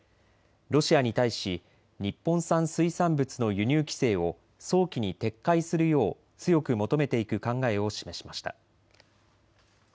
ロシアに対し日本産水産物の輸入規制を早期に撤回するよう強く求めていく考えを示しました。